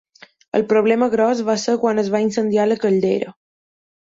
El problema gros va ser quan es va incendiar la caldera.